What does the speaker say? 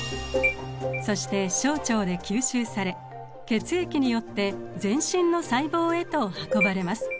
そして小腸で吸収され血液によって全身の細胞へと運ばれます。